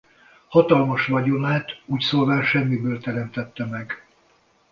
Hatalmas vagyonát úgyszólván semmiből teremtette meg.